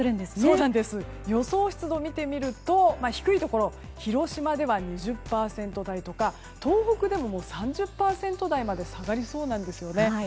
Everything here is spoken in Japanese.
予想湿度を見てみると低いところ広島では２０％台とか東北でも３０％台まで下がりそうなんですね。